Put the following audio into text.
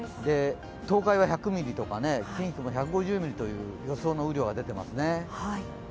東海は１００ミリとか近畿も１５０ミリという予想の雨量が出ていますね。